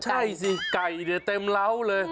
ใช่สิไก่เนี่ยเต็มเล้าเลย